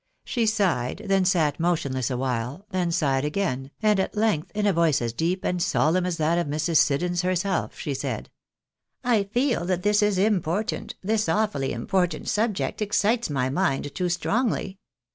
She sighed, then sat motionless awhile, then sighed again, and at length, in a voice as deep and solemn as that of Mrs. Siddons herself, she said —" I feel that this important, this awfully important subject ex cites my mind too strongly.